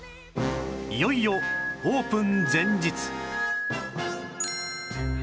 いよいよオープン前日